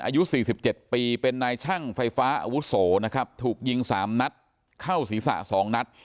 อายุ๔๗ปีเป็นนายช่างไฟฟ้าอาวุโสนะครับถูกยิง๓นัดเข้าศีรษะ๒นัด